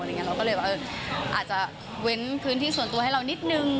เราก็เลยว่าอาจจะเว้นพื้นที่ส่วนตัวให้เรานิดนึง